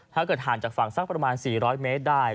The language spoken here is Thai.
ถ้าเกิดห่างจากฝั่งสักประมาณ๔๐๐เมตรได้